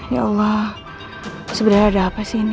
ya allah sebenarnya ada apa sih ini